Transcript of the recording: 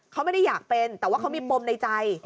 เขาไม่ได้อยากเป็นแต่ว่าเขามีปมในใจ